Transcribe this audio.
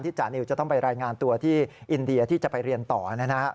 จานิวจะต้องไปรายงานตัวที่อินเดียที่จะไปเรียนต่อนะครับ